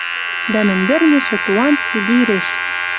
Дӓ мӹндӹрнӹшӹ туан Сибиреш